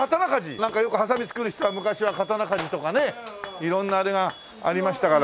なんかよくはさみ作る人は昔は刀鍛冶とかね色んなあれがありましたからね。